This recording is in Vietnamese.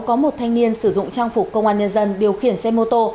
có một thanh niên sử dụng trang phục công an nhân dân điều khiển xe mô tô